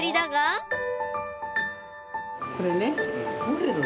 これね。